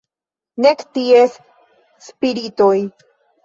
Nek ties spiritoj.